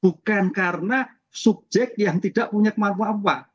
bukan karena subjek yang tidak punya kemampuan